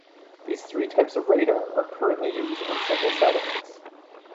These three types of radar are currently used on several satellites.